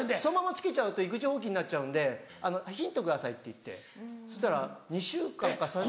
そのまま付けちゃうと育児放棄になっちゃうんでヒントくださいって言ってそしたら２週間か。